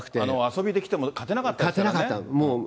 遊びできても勝てなかったですからね。